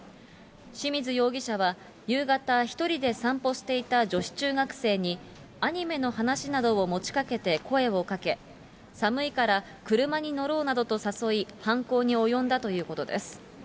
清水容疑者は、夕方、１人で散歩していた女子中学生に、アニメの話などを持ちかけて声をかけ、寒いから車に乗ろうなどと誘い、犯行に及んだということです。